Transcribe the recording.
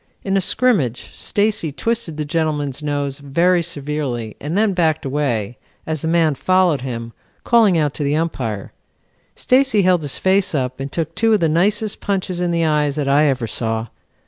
In a scrimmage Stacy twisted the gentleman's nose very severely and then backed away, as the man followed him, calling out to the Umpire. Stacy held his face up and took two of the nicest punches in the eyes that I ever saw.